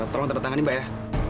tolong tanda tangani mbak ya